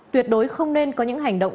tuyệt đối không nên có những hành động